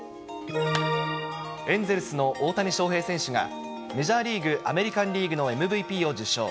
エンゼルスの大谷翔平選手が、メジャーリーグ、アメリカンリーグのＭＶＰを受賞。